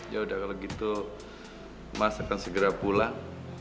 yaudah kalo gitu mas akan segera pulang